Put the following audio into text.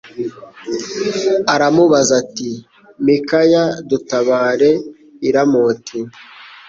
aramubaza ati Mikaya dutabare i Ramoti